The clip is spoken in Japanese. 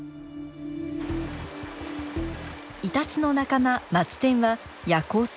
イタチの仲間マツテンは夜行性。